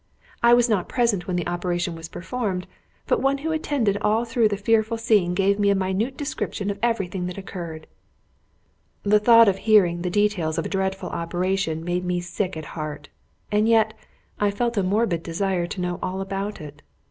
I was not present when the operation was performed, but one who attended all through the fearful scene gave me a minute description of every thing that occurred." The thought of hearing the details of a dreadful operation made me sick at heart, and yet I felt a morbid desire to know all about it.